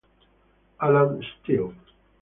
Alan Steele